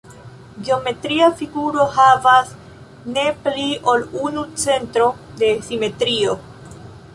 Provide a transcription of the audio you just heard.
Geometria figuro havas ne pli ol unu centro de simetrio.